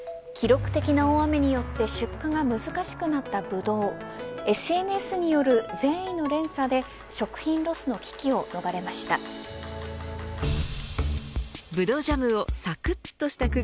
記録的な大雨によって出荷が難しくなったブドウＳＮＳによる善意の連鎖で食品危機を逃れました。